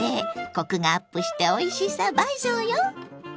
コクがアップしておいしさ倍増よ！